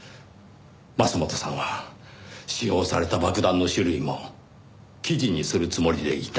桝本さんは使用された爆弾の種類も記事にするつもりでいた。